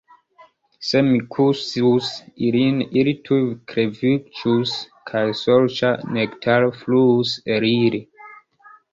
Se mi kisus ilin, ili tuj kreviĝus kaj sorĉa nektaro fluus el ili.